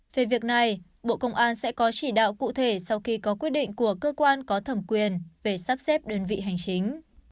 về việc này bộ công an sẽ có chỉ đạo cụ thể sau khi có quyết định của cơ quan có thẩm quyền về sắp xếp đơn vị hành chính